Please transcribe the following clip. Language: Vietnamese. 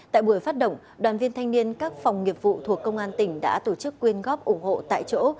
tại buổi phát động đoàn viên thanh niên các phòng nghiệp vụ thuộc công an tỉnh đã tổ chức quyên góp ủng hộ tại chỗ